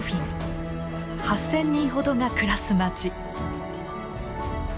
８，０００人ほどが暮らす町。